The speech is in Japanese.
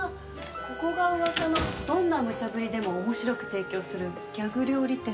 ここが噂のどんな無茶振りでも面白く提供するギャグ料理店？